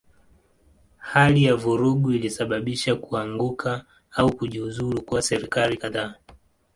Hali ya vurugu ilisababisha kuanguka au kujiuzulu kwa serikali kadhaa.